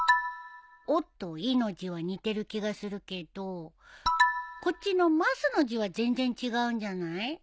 「お」と「い」の字は似てる気がするけどこっちの「ます」の字は全然違うんじゃない？